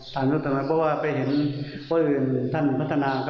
เพราะว่าไปเห็นพวกอื่นท่านพัฒนา